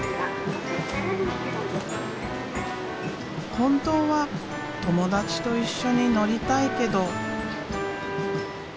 本当は友達と一緒に乗りたいけど。